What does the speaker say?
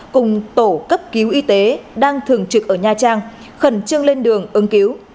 cùng tổ cấp cứu y tế đang thường trực ở nha trang khẩn trương lên đường ứng cứu